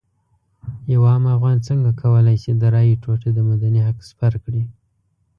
یو عام افغان څنګه کولی شي د رایې ټوټه د مدني حق سپر کړي.